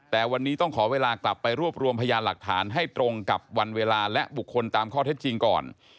แต่วันนี้ต้องขอเวลากลับไปรวบรวมพยานหลักฐานให้ตรงกับวันเวลาและบุคคลตามข้อเท็จจริงก่อน